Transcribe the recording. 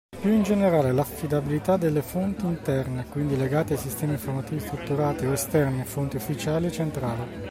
Più in generale l'affidabilità delle fonti interne (quindi legate a sistemi informativi strutturati) o esterne (fonti ufficiali) è centrale.